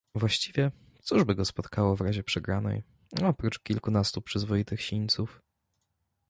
"Właściwie, cóż by go spotkało, w razie przegranej, oprócz kilkunastu przyzwoitych sińców?"